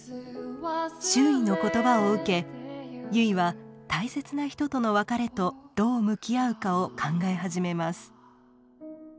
周囲の言葉を受け結は大切な人との別れとどう向き合うかを考え始めます。